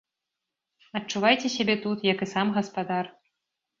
Адчувайце сябе тут, як і сам гаспадар.